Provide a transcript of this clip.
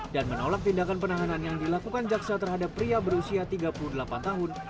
dan menolak tindakan penahanan yang dilakukan jaksa terhadap pria berusia tiga puluh delapan tahun